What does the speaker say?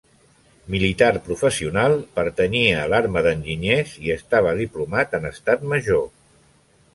Militar professional, pertanyia a l'arma d'enginyers i estava diplomat en Estat Major.